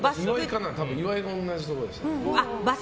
岩井が同じところでしたね。